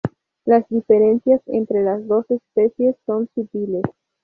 Las diferencias entra las dos especies son sutiles.